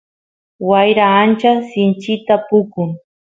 wayra ancha sinchita pukun